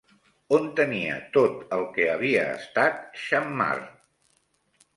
On tenia tot el que havia estat Xammar?